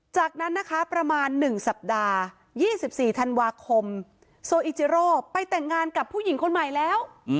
จากนั้นนะคะประมาณ๑สัปดาห์๒๔ธันวาคมโซอิจิโรไปแต่งงานกับผู้หญิงคนใหม่แล้ว